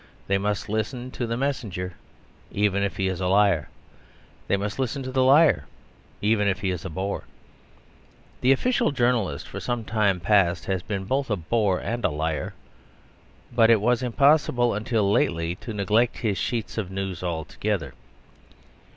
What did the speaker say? They must listen to the messenger, even if he is a liar. They must listen to the liar, even if he is a bore. The official journalist for some time past has been both a bore and a liar; but it was impossible until lately to neglect his sheets of news altogether.